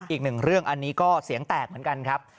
อีกหนึ่งเรื่องอันนี้ก็เสียงแตกเหมือนกันครับ